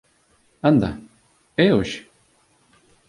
Anda. É hoxe?